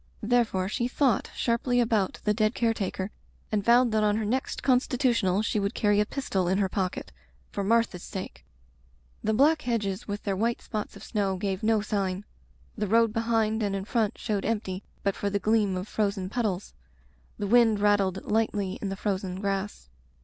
Therefore she thought sharply about the dead care taker and vowed that on her next constitutional she would carry a pistol in her pocket — for Martha's sake. The black hedges with their white spots of snow gave no sign; the road behind and in front showed empty but for the gleam of frozen puddles. The wind rattled lightly in the frozen grass.